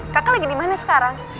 kakak lagi dimana sekarang